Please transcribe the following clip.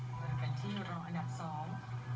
ก็จะเป็นที่รองอันดับสอง